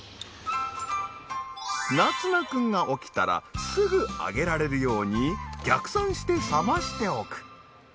凪維君が起きたらすぐあげられるように逆算して冷ましておく。